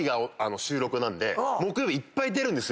木曜日いっぱい出るんですよ